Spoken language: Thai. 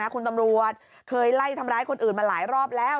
คุณตำรวจเคยไล่ทำร้ายคนอื่นมาหลายรอบแล้ว